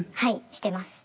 してます。